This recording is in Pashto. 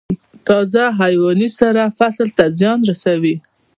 تازه حیواني سره فصل ته زیان رسوي؟